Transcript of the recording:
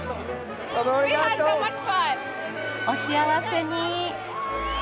お幸せに！